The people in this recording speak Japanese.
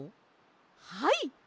はい！